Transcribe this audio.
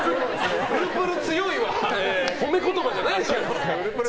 プルプル強いは褒め言葉じゃないからな。